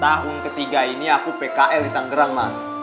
tahun ketiga ini aku pkl di tanggerang mas